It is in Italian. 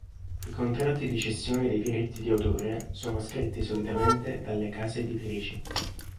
I contratti di cessione dei diritti di autore sono scritti solitamente dalle case editrici.